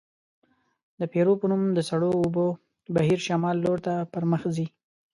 د پیرو په نوم د سړو اوبو بهیر شمال لورته پرمخ ځي.